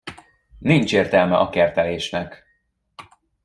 Nincs értelme a kertelésnek.